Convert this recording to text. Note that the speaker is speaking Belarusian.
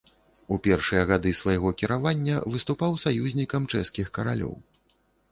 У першыя гады свайго кіравання выступаў саюзнікам чэшскіх каралёў.